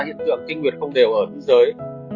để không gây hiện tượng kinh nguyệt không đều ở thế giới